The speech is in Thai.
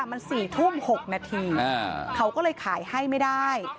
มัน๔ทุ่ม๖นาทีเขาก็เลยขายให้ไม่ได้